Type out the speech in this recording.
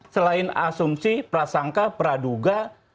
selain asumsi prasangka praduga